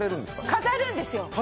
飾るんですよ。